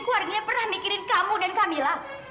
kamu dan putini ini adalah ibu dan kamila